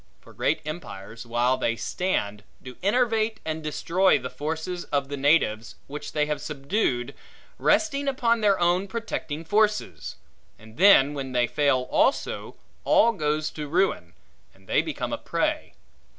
For great empires, while they stand, do enervate and destroy the forces of the natives which they have subdued, resting upon their own protecting forces; and then when they fail also, all goes to ruin, and they become a prey.